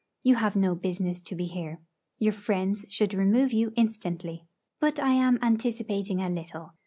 You have no business to be here. Your friends should remove you instantly.' But I am anticipating a little.